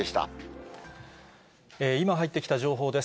今、入ってきた情報です。